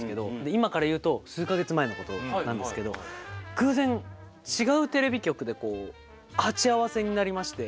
今からいうと数か月前のことなんですけど偶然違うテレビ局で鉢合わせになりまして。